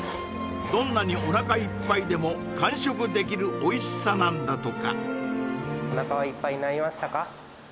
どんなにおなかいっぱいでも完食できるおいしさなんだとか